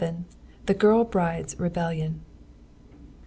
THE GIRL BRIDE'S REBELLION.